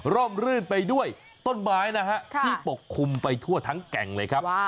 รื่นไปด้วยต้นไม้นะฮะที่ปกคลุมไปทั่วทั้งแก่งเลยครับ